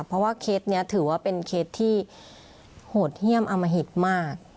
เพราะว่าเคสนี้ถือว่าเป็นเคสที่โหดเยี่ยมอมหิตมาก